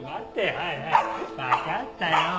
はいはい分かったよ。